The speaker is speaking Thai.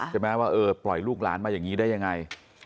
ใช่ไหมว่าเออปล่อยลูกหลานมาอย่างนี้ได้ยังไง